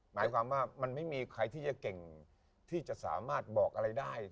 หมายความว่ามันไม่มีใครที่จะเก่งที่จะสามารถบอกอะไรได้